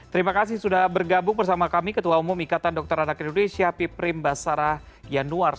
terima kasih sudah bergabung bersama kami ketua umum ikatan dr anak indonesia p prim basara yanuar